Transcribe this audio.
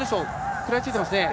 食らいついてますね。